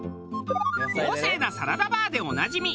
豪勢なサラダバーでおなじみ